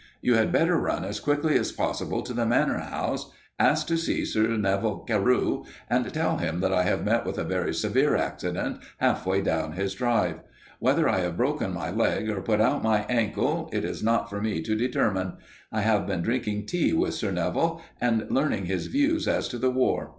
You had better run as quickly as possible to the Manor House, ask to see Sir Neville Carew, and tell him that I have met with a very severe accident half way down his drive. Whether I have broken my leg, or put out my ankle, it is not for me to determine. I have been drinking tea with Sir Neville and learning his views as to the War.